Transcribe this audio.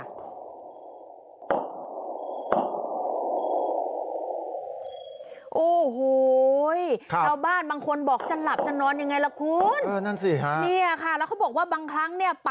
ชาวบ้านบางคนบอกจะหลับจะนอนยังไงละคุณอืมเออนั่นสิค่ะเธอบอกว่าบางครั้งเนี่ย